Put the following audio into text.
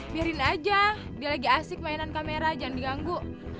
biarin aja dia lagi asik mainan kamera jangan diganggu